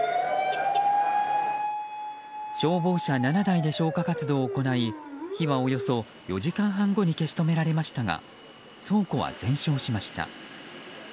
消防車７台で消火活動を行い火はおよそ４時間半後に消し止められましたが倉庫は全焼しました。